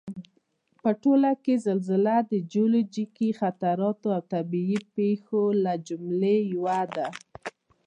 په ټوله کې زلزله د جیولوجیکي خطراتو او طبعي پېښو له جملې یوه ده